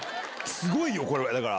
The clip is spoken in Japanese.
すごいよ、これ、だから、